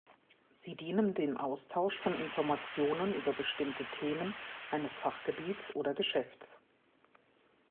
Sie dienen dem Austausch von Informationen über bestimmte Themen eines Fachgebiets oder Geschäfts.